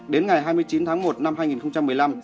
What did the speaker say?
đến ngày hai mươi chín tháng một năm hai nghìn một mươi năm